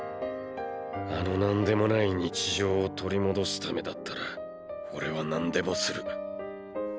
あの何でもない日常を取り戻すためだったら俺は何でもする。